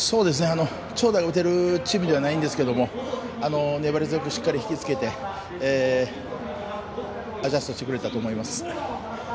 長打が打てるチームではないんですけど粘り強くしっかり引きつけてアジャストしてくれたと思います。